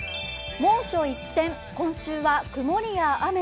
猛暑一転、今週は曇りや雨。